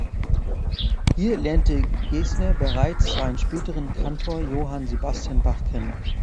Hier lernte Gesner bereits seinen späteren Kantor Johann Sebastian Bach kennen.